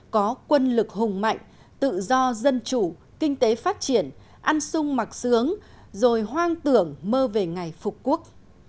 có quân lực hùng mạnh tự do dân chủ kinh tế phát triển ăn sung mặc sướng rồi hoang tưởng mơ về ngày phục quốc